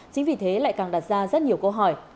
chính vì thế lại càng đặt ra rất nhiều câu hỏi